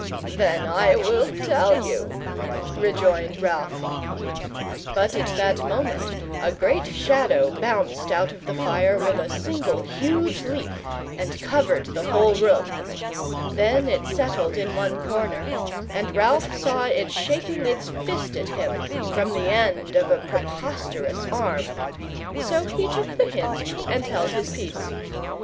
"Then I will tell you," rejoined Ralph. But at that moment, a great Shadow bounced out of the fire with a single huge leap, and covered the whole room. Then it settled in one corner, and Ralph saw it shaking its fist at him from the end of a preposterous arm. So he took the hint, and held his peace.